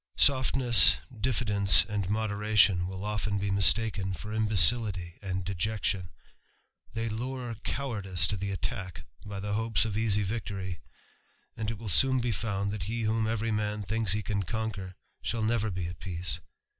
Softness, diffidence, and moderation, will often be mistaken for imbecility and dejection ; they lure cowardice to the attack by the hopes of easy victory, and it will soon be found that he whtMn every man thinks he can Conquer, shall never be at peace.